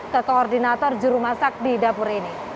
ke koordinator jurumasak di dapur ini